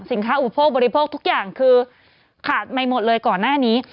อุปโภคบริโภคทุกอย่างคือขาดไม่หมดเลยก่อนหน้านี้